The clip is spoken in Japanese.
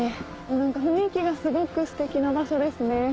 何か雰囲気がすごくステキな場所ですね。